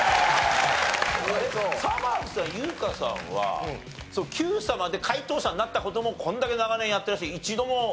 さまぁずさん優香さんは『Ｑさま！！』で解答者になった事もこれだけ長年やってらして一度もないんですか？